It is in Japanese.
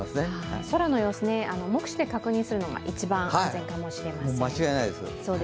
空の様子、目視で確認するのが一番安全かもしれません。